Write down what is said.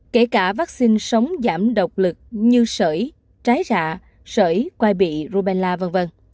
kể cả vaccine sống giảm độc lực như sởi trái rạ sởi quay bị rubella v v